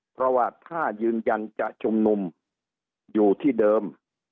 เพราะว่าถ้ายืนยันจะชุมนุมอยู่ที่เดิม